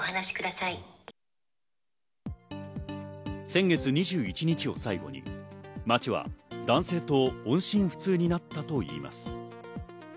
先月２１日を最後に、町は男性と音信不通になったといいます。